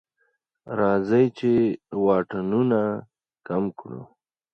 راځئ چې واټنونه کم کړو.